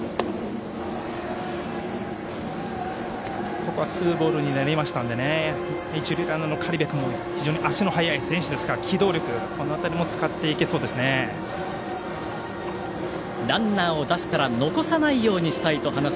ここはツーボールになりましたので一塁ランナーの苅部君足の速い選手ですから機動力も使っていけそうです。